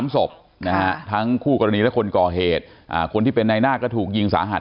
๓ศพนะฮะทั้งคู่กรณีและคนก่อเหตุคนที่เป็นในหน้าก็ถูกยิงสาหัส